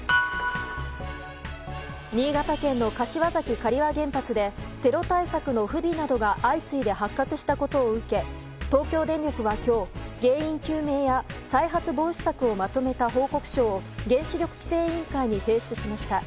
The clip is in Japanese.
新潟県の柏崎刈羽原発でテロ対策の不備などが相次いで発覚したことを受け東京電力は今日、原因究明や再発防止策をまとめた報告書を原子力規制委員会に提出しました。